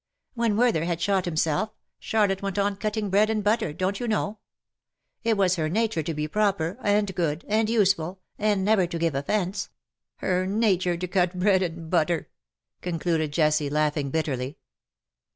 When Werther had shot himself, Charlotte went on cutting bread and butter, donH you know ? It was her nature to be proper, and good, and useful, and never to give offence — her nature to cut bread and butter, " concluded Jessie, laughing bitterly.